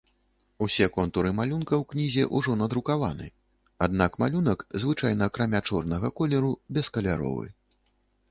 Усе контуры малюнка ў кнізе ўжо надрукаваны, аднак малюнак, звычайна акрамя чорнага колеру, бескаляровы.